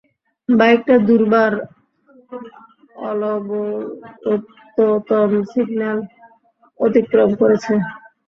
বাইকটা দুবার অলবর্ত্তোত্তম সিগন্যাল অতিক্রম করেছে।